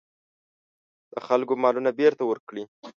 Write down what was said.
د خلکو مالونه بېرته ورکړي.